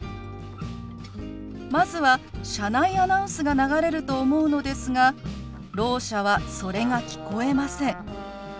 まずは車内アナウンスが流れると思うのですがろう者はそれが聞こえません。